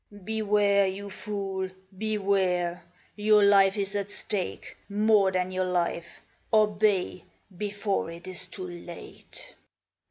" Beware, you fool, beware ! Your life's at stake, more than your life. Obey, before it is too late."